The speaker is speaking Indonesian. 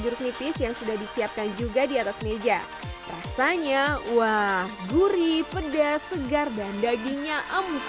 jeruk nipis yang sudah disiapkan juga di atas meja rasanya wah gurih pedas segar dan dagingnya empuk